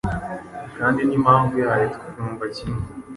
kandi n’impamvu yayo tukayumva kimwe.